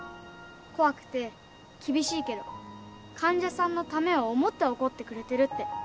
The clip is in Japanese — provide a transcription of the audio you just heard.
怖くて厳しいけど患者さんのためを思って怒ってくれてるって。